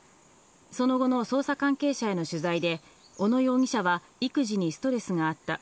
その後の捜査関係者への取材で、小野容疑者は育児にストレスがあった。